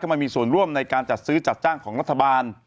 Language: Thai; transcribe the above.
มามีส่วนร่วมในการจัดซื้อจัดจ้างของรัฐบาล